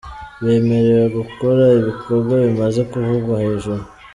bemerewe gukora ibikorwa bimaze kuvugwa hejuru ;.